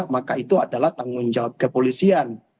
maka itu adalah tanggung jawab kepolisian